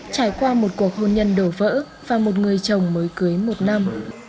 trải qua một cuộc hôn nhân đổ vỡ và một người chồng mới cưới một năm